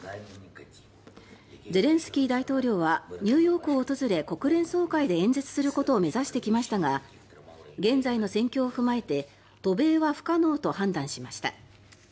ゼレンスキー大統領はニューヨークを訪れ国連総会で演説することを目指してきましたが現在の戦況を踏まえて渡米は不可能と判断しました。